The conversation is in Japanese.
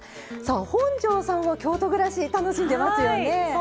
本上さんは京都暮らし楽しんでいますよね。